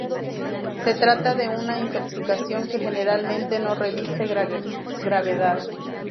Se trata de una intoxicación que generalmente no reviste gravedad.